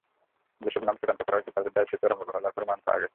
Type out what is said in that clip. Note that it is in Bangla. যেসব নাম চূড়ান্ত করা হয়েছে, তাঁদের দায়িত্বে চরম অবহেলার প্রমাণ পাওয়া গেছে।